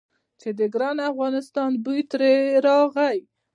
چې د ګران افغانستان بوی ترې راغی.